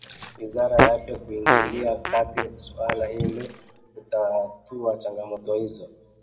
wizara ya afya kuingilia kati suala hilo ili kutatua changamoto hizo